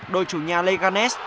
đội chủ nhà leganes